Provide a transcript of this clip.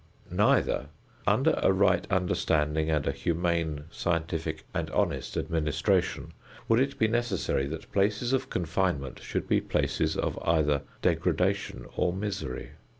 Neither under a right understanding, and a humane, scientific and honest administration, would it be necessary that places of confinement should be places of either degradation or misery.